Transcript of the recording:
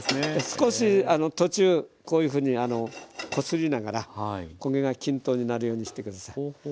少し途中こういうふうにこすりながら焦げが均等になるようにして下さい。